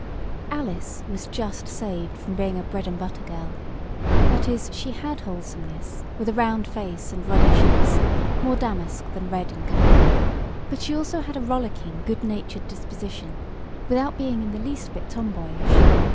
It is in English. Alice was just saved from being a "bread and butter" girl. That is, she had wholesomeness, with a round face, and ruddy cheeks more damask than red in color but she also had a rollicking, good natured disposition, without being in the least bit tomboyish.